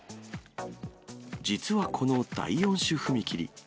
実はこの第４種踏切。